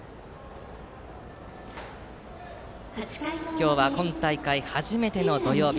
今日は、今大会初めての土曜日。